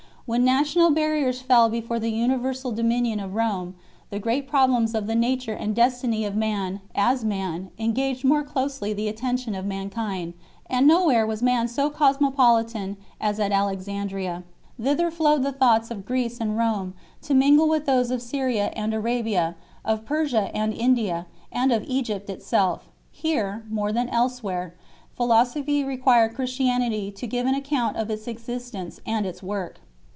When national barriers fell before the universal dominion of Rome, the great problems of the nature and destiny of man, as man, engaged more closely the attention of mankind ; and JQ.O where was man so cosmopolitan as at Alexandria. TRTther flowed the thoughts of Greece and Home, to mingle with those of Syria and Arabia, of Persia and India, and of Egypt itself. Here, more than else where, philosophy required Christianity to give an account of its existence and its work.